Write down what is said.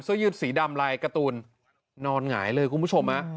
ซื้อยืดสีดำลายกระตูลนอนหงายเลยคุณผู้ชมฮะ